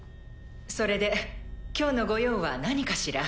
それで今日の御用は何かしら？